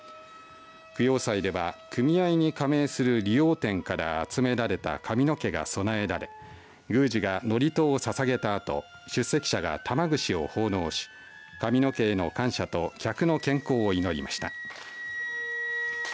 供養祭では組合に加盟する理容店から集められた髪の毛が供えられ宮司が祝詞をささげたあと出席者が玉串を奉納し髪の毛への感謝と客の健康を祈りました。